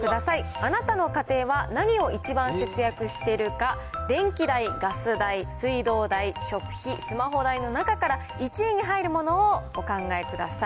あなたの家庭は何を一番節約してるか、電気代、ガス代、水道代、食費、スマホ代の中から、１位に入るものをお考え下さい。